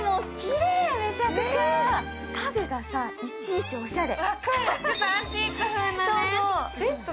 家具がさ、いちいちおしゃれ。